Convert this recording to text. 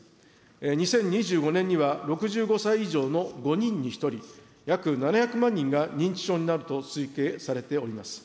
２０２５年には、６５歳以上の５人に１人、約７００万人が認知症になると推計されております。